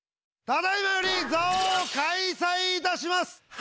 ただいまより「座王」開催いたします。